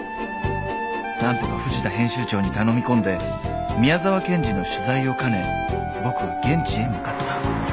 ［何とか藤田編集長に頼み込んで宮沢賢治の取材を兼ね僕は現地へ向かった］